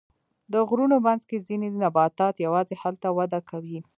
د غرونو منځ کې ځینې نباتات یوازې هلته وده کوي.